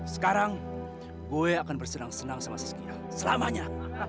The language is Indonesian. sekarang gue akan bersenang senang sama sekian selamanya